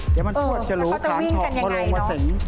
เดี๋ยวมันทวดจะรู้ความเขามาลงมาเสร็จ